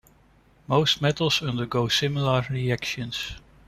Most metals undergo similar reactions.